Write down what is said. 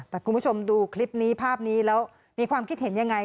แต่คุณผู้ชมดูคลิปนี้ภาพนี้แล้วมีความคิดเห็นยังไง